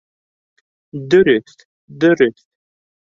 Дөрөҫ, дөрөҫ.